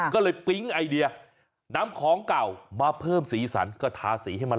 ก็เลยปิ๊งไอเดียนำของเก่ามาเพิ่มสีสันก็ทาสีให้มัน